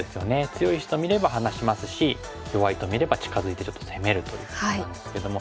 強い石と見れば離しますし弱いと見れば近づいてちょっと攻めるということなんですけども。